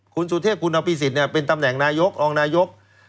คุณสุเทพคุณอภิษฎเป็นตำแหน่งนายกรองนายก